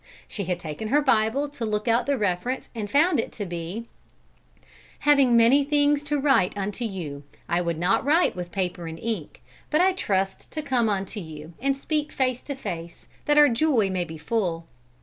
She had taken her Bible to look out the reference and found it to be: "Having many things to write unto you, I would not write with paper and ink; but I trust to come unto you, and speak face to face, that our joy may be full."